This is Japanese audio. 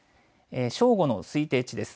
正午の推定値です。